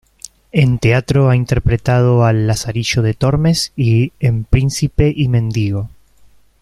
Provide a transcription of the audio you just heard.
En teatro ha interpretado al "Lazarillo de Tormes" y en "Príncipe y mendigo".